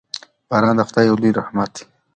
باران د خدای یو لوی رحمت دی.